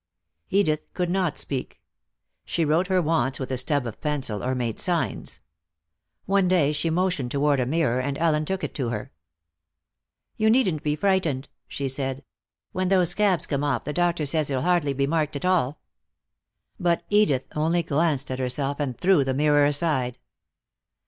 Edith could not speak. She wrote her wants with a stub of pencil, or made signs. One day she motioned toward a mirror and Ellen took it to her. "You needn't be frightened," she said. "When those scabs come off the doctor says you'll hardly be marked at all." But Edith only glanced at herself, and threw the mirror aside.